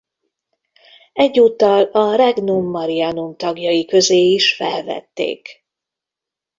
Egyúttal a Regnum Marianum tagjai közé is felvették.